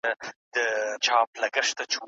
څنګه کولای سو نوی حکومت د خپلو ګټو لپاره وکاروو؟